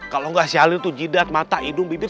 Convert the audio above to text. kalau nggak syahlin tuh jidat mata hidung bibir